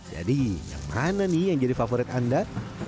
jadi yang mana nih yang jadi favorit anda